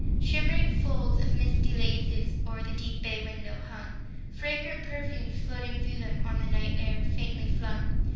Shimmering folds of misty laces O'er the deep bay window hung ; Fragrant perfumes floating through them On the night air faintly flung.